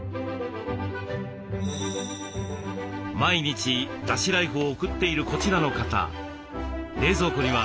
毎日だしライフを送っているこちらの方。